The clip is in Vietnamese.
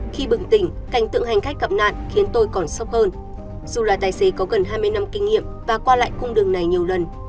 khi bừng tỉnh cảnh tượng hành khách gặp nạn khiến tôi còn sốc hơn dù là tài xế có gần hai mươi năm kinh nghiệm và qua lại cung đường này nhiều lần